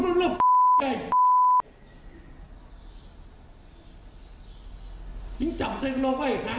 ถ้าสอดจริงถ้ายิ่งพอใจก็เป็นอย่าง